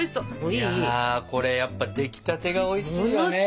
いやこれやっぱ出来立てがおいしいよね。